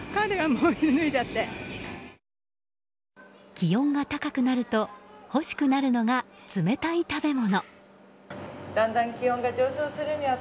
気温が高くなると欲しくなるのが冷たい食べ物。